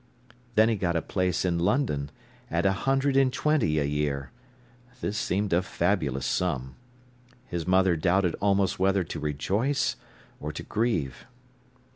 Then he got a place in London, at a hundred and twenty a year. This seemed a fabulous sum. His mother doubted almost whether to rejoice or to grieve.